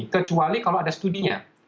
kecuali kalau ada studinya